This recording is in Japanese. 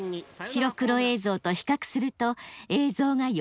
白黒映像と比較すると映像がより鮮明に。